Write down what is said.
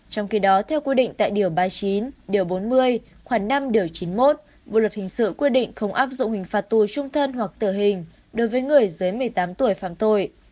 trong khi đó theo quy định tại điều ba mươi chín điều bốn mươi khoảng năm chín mươi một bộ luật hình sự quy định không áp dụng hình phạt tù trung thân hoặc tử hình đối với người dưới một mươi tám tuổi phạm tội